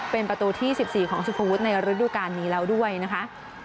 เป็นประตูที่๑๔ของสุภวุฒิในฤดูการนี้แล้วด้วยนะคะ